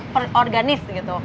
pem bisnis organis gitu